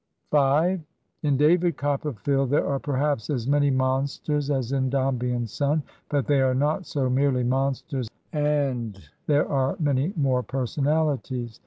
In "David Copperfield" there are perhaps as many monsters as in " Dombey and Son," but they are not so merely monsters, and there are many more personahties.